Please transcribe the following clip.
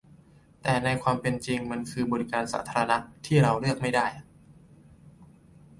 แต่ในความเป็นจริงมันคือบริการสาธารณะที่เราเลือกไม่ได้อ่ะ